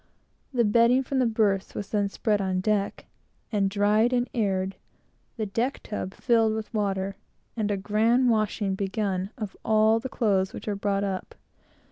The bedding from the berths was then spread on deck, and dried, and aired; the deck tub filled with water; and a grand washing begun of all the clothes which were brought up.